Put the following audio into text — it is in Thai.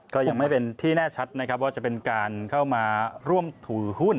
ก็ยังไม่เป็นที่แน่ชัดนะครับว่าจะเป็นการเข้ามาร่วมถือหุ้น